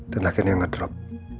dan akhirnya ngedrop